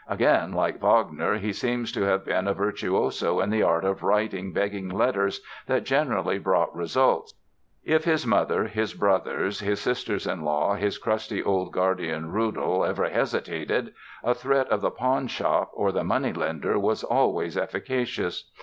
Again like Wagner, he seems to have been a virtuoso in the art of writing begging letters that generally brought results. If his mother, his brothers, his sisters in law, his crusty old guardian, Rudel, ever hesitated a threat of the pawn shop or the money lender was always efficacious.